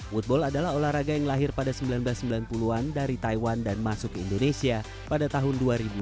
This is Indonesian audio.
woodball adalah olahraga yang lahir pada seribu sembilan ratus sembilan puluh an dari taiwan dan masuk ke indonesia pada tahun dua ribu empat belas